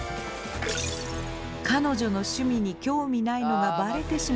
彼女の趣味に興味ないのがバレてしまいました。